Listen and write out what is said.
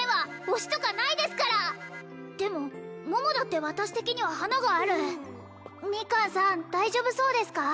推しとかないですからでも桃だって私的には華があるミカンさん大丈夫そうですか？